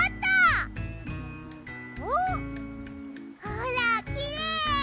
ほらきれい。